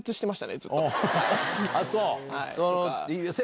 あっそう。